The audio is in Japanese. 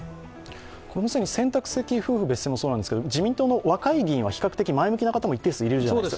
これも既に選択的夫婦別姓もそうなんですけど、自民党の若い議員は比較的前向きな方も一定数いるじゃないですか。